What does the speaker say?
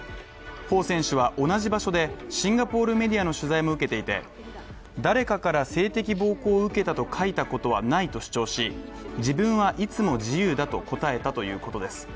彭選手は、同じ場所で、シンガポールメディアの取材も受けていて、誰かから性的暴行を受けたと書いたことはないと主張し、自分はいつも自由だと答えたということです。